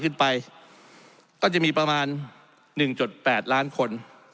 ขึ้นไปก็จะมีประมาณหนึ่งจดแปดล้านคน